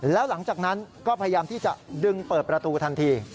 แล้วหลังจากนั้นก็พยายามที่จะดึงเปิดประตูทันที